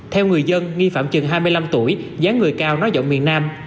theo người dân nghi phạm chừng hai mươi năm tuổi gián người cao nói giọng miền nam